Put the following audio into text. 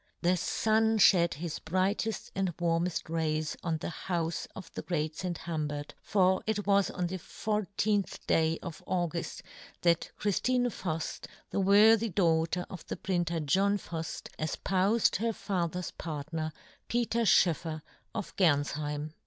The fun fhed his brighteft and warmeft rays on the houfe of the great St. Humbert, for it was on the 14th day of Auguft that Chriftine Fuft, the worthy daughter of the printer John Fuft, efpoufed her fa ther's partner, Peter Schoeffer of Gernfheim.